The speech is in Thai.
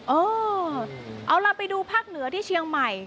เออเอาล่ะไปดูภาคเหนือที่เชียงใหม่